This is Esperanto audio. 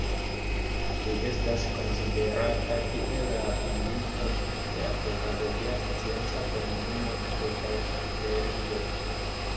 Li estas konsiderata kiel la fondinto de la Pedagogia Scienca Komunumo de Kartvelio.